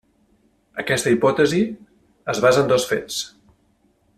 Aquesta hipòtesi es basa en dos fets.